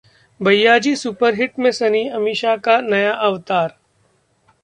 'भैय्याजी सुपरहिट' में सनी, अमीषा का नया अवतार